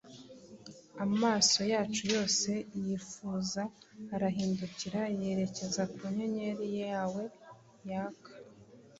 amaso yacu yose yifuza arahindukira yerekeza ku nyenyeri yawe yaka: